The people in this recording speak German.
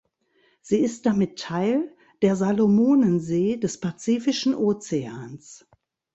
Sie ist damit Teil der Salomonensee des Pazifischen Ozeans.